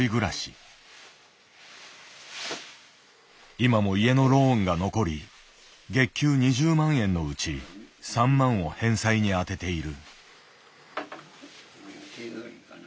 今も家のローンが残り月給２０万円のうち３万を返済に充てている。